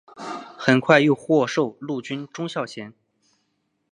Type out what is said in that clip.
很快又获授陆军中校衔。